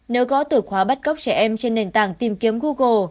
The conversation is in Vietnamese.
nếu có từ khóa bắt cóc trẻ em trên nền tảng tìm kiếm google